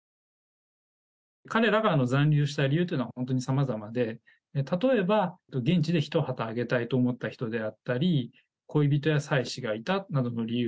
彼らが残留した理由というのは、本当にさまざまで、例えば、現地で一旗揚げたいと思った人であったり、恋人や妻子がいたなどの理由。